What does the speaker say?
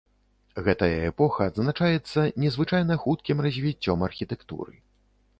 Гэтая эпоха адзначаецца незвычайна хуткім развіццём архітэктуры.